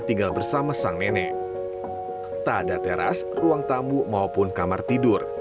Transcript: tidak ada teras ruang tamu maupun kamar tidur